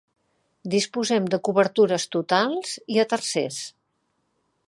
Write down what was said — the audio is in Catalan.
Disposem de cobertures totals i a tercers.